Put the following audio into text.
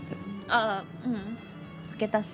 あぁううん拭けたし。